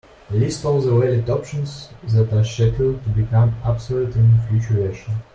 List all the valid options that are scheduled to become obsolete in a future version.